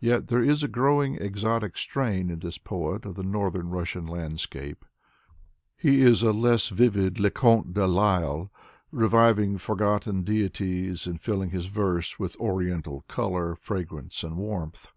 Yet there is a growing exotic strain in this poet of the Northern Russian landscape. He is a less vivid Leconte de Lisle, revivi fying forgotten deities and filling his verse with Oriental color, fragrance and warmth.